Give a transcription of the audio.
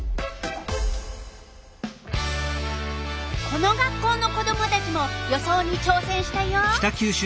この学校の子どもたちも予想にちょうせんしたよ。